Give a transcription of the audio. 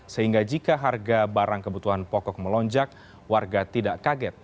sehingga jika harga barang kebutuhan pokok melonjak warga tidak kaget